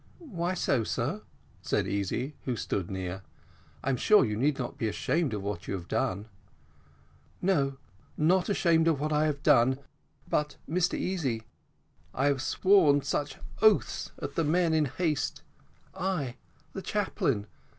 "Why so, sir?" said Easy, who stood near, "I am sure you need not be ashamed of what you have done." "No, no, not ashamed of what I've done; but, Mr Easy I have sworn so, sworn such oaths at the men in my haste I, the chaplain!